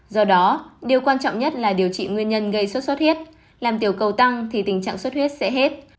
do đó điều quan trọng nhất là điều trị nguyên nhân gây sốt xuất huyết làm tiểu cầu tăng thì tình trạng xuất huyết sẽ hết